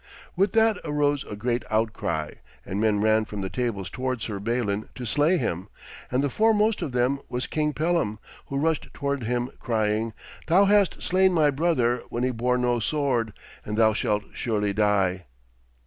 With that arose a great outcry, and men ran from the tables towards Sir Balin to slay him, and the foremost of them was King Pellam, who rushed towards him, crying: 'Thou hast slain my brother when he bore no sword, and thou shalt surely die.'